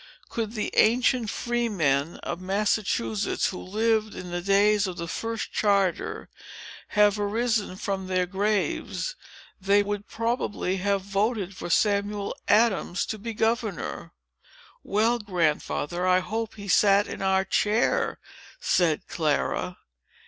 Could the ancient freemen of Massachusetts, who lived in the days of the first charter, have arisen from their graves, they would probably have voted for Samuel Adams to be governor." "Well, Grandfather, I hope he sat in our chair!" said Clara.